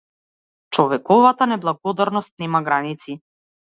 Човековата неблагодарност нема граници.